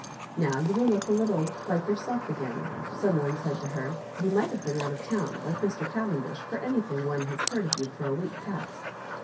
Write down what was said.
"Now you look a little like yourself again," some one said to her. "Ton might have been out of town, like Mr. Cavendish, for anythmg one has heard of you for a week past."